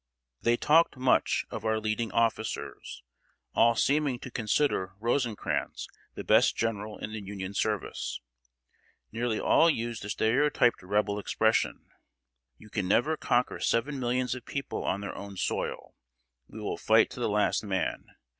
They talked much of our leading officers, all seeming to consider Rosecrans the best general in the Union service. Nearly all used the stereotyped Rebel expression: "You can never conquer seven millions of people on their own soil. We will fight to the last man!